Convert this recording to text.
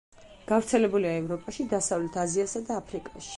გავრცელებულია ევროპაში, დასავლეთ აზიასა და აფრიკაში.